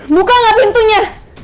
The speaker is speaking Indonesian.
buka gak pintunya